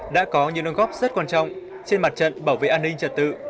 đã có những nông góp rất quan trọng trên mặt trận bảo vệ an ninh trật tự